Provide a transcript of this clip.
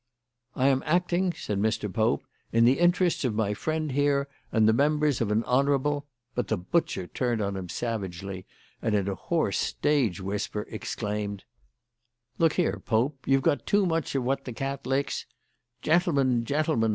"I am acting," said Mr. Pope, "in the interests of my friend here and the members of a honourable " But here the butcher turned on him savagely, and, in a hoarse stage whisper, exclaimed: "Look here, Pope; you've got too much of what the cat licks " "Gentlemen! gentlemen!"